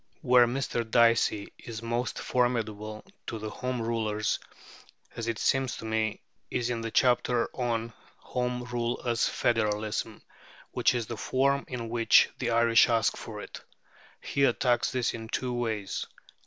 Where Mr. Dicey is most formidable to the Home Rulers, as it seems to me, is in his chapter on "Home Rule as Federalism," which is the form in which the Irish ask for it. He attacks this in two ways.